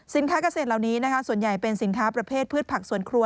เกษตรเหล่านี้ส่วนใหญ่เป็นสินค้าประเภทพืชผักสวนครัว